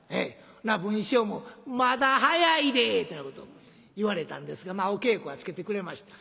文枝師匠も「まだ早いで」ってなことを言われたんですがまあお稽古はつけてくれました。